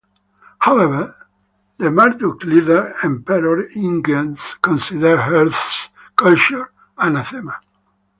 However, the Marduk leader, Emperor Ingues, considers Earth's culture anathema.